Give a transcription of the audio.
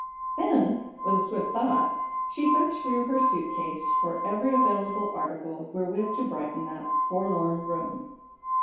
Then, with a swift thought, she searched through her suit case for every available article wherewith to brighten that forlorn room.